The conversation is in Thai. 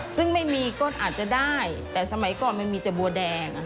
ซึ่งไม่มีก็อาจจะได้แต่สมัยก่อนมันมีแต่บัวแดง